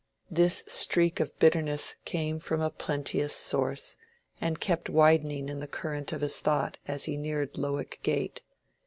This streak of bitterness came from a plenteous source, and kept widening in the current of his thought as he neared Lowick Gate.